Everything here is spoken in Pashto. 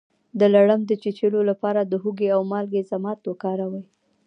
د لړم د چیچلو لپاره د هوږې او مالګې ضماد وکاروئ